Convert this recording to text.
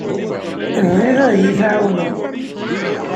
Bɣiɣ ad iyi-tɛawneḍ.